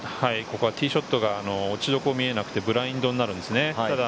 ここはティーショットの落ち所が見えなくて、ブラインドになるんですね。